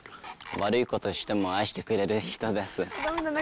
悪いことしても愛してくれる人です。